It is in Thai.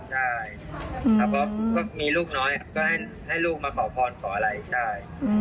ใช่ครับก็มีลูกน้อยก็ให้ลูกมาขอพรขออะไรใช่